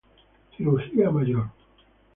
Cirugía mayor.